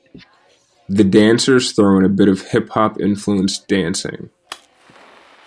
The dancers throw in a bit of hip-hop influenced dancing.